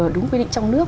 đúng quy định trong nước